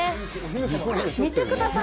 ほら、見てください！